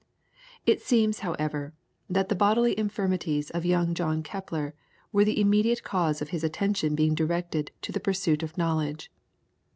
It seems, however, that the bodily infirmities of young John Kepler were the immediate cause of his attention being directed to the pursuit of knowledge.